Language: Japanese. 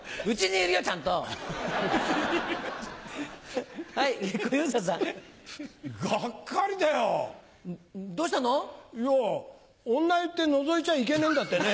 いや女湯ってのぞいちゃいけねえんだってね。